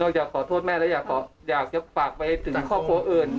อยากขอโทษแม่แล้วอยากจะฝากไปถึงครอบครัวอื่น